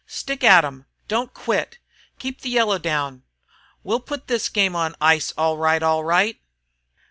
Stick at 'em! Don't quit! Keep the yellow down! We'll put this game on ice, all right, all right!"